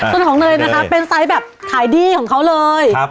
ส่วนของเนยนะคะเป็นไซส์แบบขายดีของเขาเลย